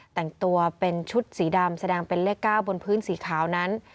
แต่งตัวเป็นชุดสีดำแสดงเป็นเลข๙บนพื้นสีขาวนั้น